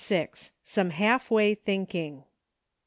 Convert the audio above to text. SOME HALF WAY THINKING.